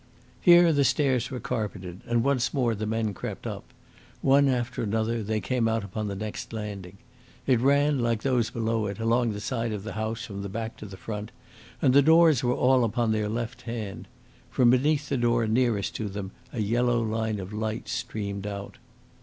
Here the steps were carpeted, and once more the men crept up. One after another they came out upon the next landing. It ran, like those below it, along the side of the house from the back to the front, and the doors were all upon their left hand. From beneath the door nearest to them a yellow line of light streamed out.